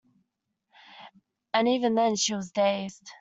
And even then she was dazed.